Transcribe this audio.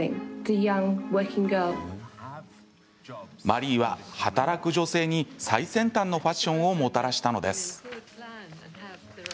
マリーは働く女性に最先端のファッションをもたらしたのです。